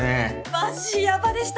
マジやばでした！